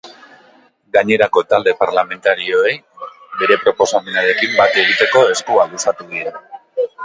Gainerako talde parlamentarioei bere proposamenarekin bat egiteko eskua luzatu die.